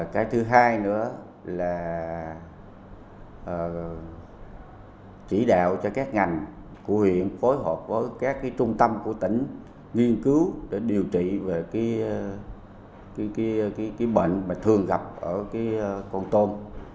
cái thứ hai nữa là chỉ đạo cho các ngành của huyện phối hợp với các trung tâm của tỉnh nghiên cứu để điều trị về bệnh mà thường gặp ở con tôm